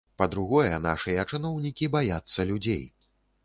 Па-другое, нашыя чыноўнікі баяцца людзей.